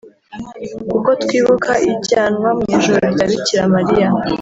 kuko twibuka ijyanwa mu ijuru rya Bikira Mariya